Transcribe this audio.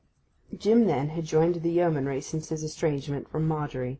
Jim, then, had joined the Yeomanry since his estrangement from Margery.